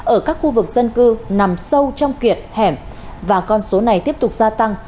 ở các khu vực dân cư nằm sâu trong kiệt hẻm và con số này tiếp tục gia tăng